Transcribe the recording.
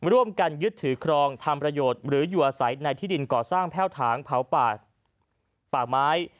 ๔ร่วมการยึดถือครองทำประโยชน์หรือหยั่วใสในที่ดินก่อสร้างแพร่วทางเผาป่าไม้